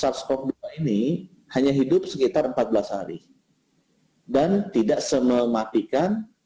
budi juga mengungkapkan